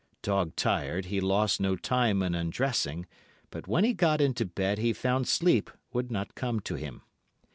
Dog tired, he lost no time in undressing, but when he got into bed he found sleep would not come to him.